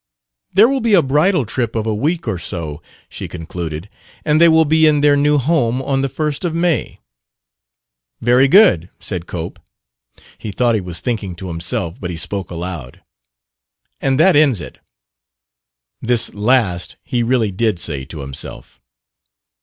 "There will be a bridal trip of a week or so," she concluded; "and they will be in their new home on the first of May." "Very good," said Cope. He thought he was thinking to himself, but he spoke aloud. "And that ends it." This last he really did say to himself.